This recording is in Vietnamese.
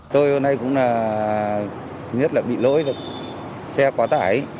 tôi hôm nay cũng là thứ nhất là bị lỗi xe quá tải